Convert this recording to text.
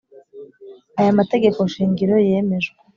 Aya mategeko shingiro yemejwe